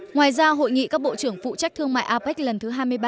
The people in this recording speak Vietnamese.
ngoài ra hội nghị các bộ trưởng phụ trách thương mại apec lần thứ hai mươi ba